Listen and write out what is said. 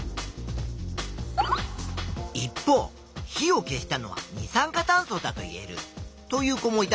一方火を消したのは二酸化炭素だといえるという子もいたぞ。